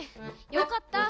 よかった。